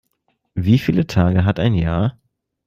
Wie viele Tage hat ein Jahr?